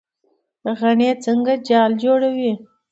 غڼه څنګه جال جوړوي؟